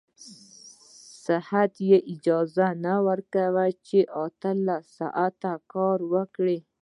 صحت يې اجازه نه ورکوي چې اتلس ساعته کار وکړي.